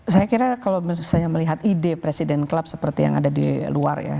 saya kira kalau misalnya melihat ide presiden club seperti yang ada di luar ya